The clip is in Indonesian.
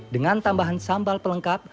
dengan tambahan sambal pelengkap